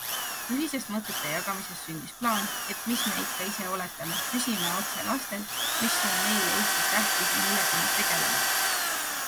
Ühisest mõtete jagamisest sündis plaan, et mis me ikka ise oletame, küsime otse lastelt, mis on neile Eestis tähtis ja millega nad tegelevad.